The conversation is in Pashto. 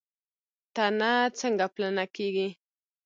تنه څنګه پلنه کیږي؟